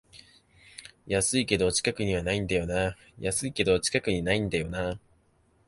安いけど近くにないんだよなあ